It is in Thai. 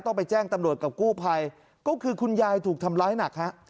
ไปแจ้งตำรวจกับกู้ภัยก็คือคุณยายถูกทำร้ายหนักฮะ